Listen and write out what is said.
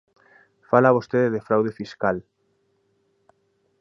Fala vostede de fraude fiscal.